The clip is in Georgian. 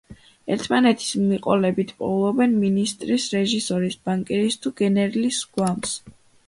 ერთმანეთის მიყოლებით პოულობენ მინისტრის, რეჟისორის, ბანკირის თუ გენერლის გვამს.